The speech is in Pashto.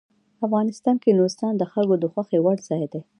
افغانستان کې نورستان د خلکو د خوښې وړ ځای دی.